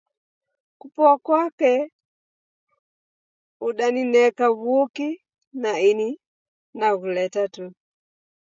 Kupoa kwake udanineka w'uki, na ini naghuleta tu.